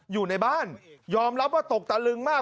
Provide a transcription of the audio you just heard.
อยู่ในบ้านยอมรับว่าตกตะลึงมาก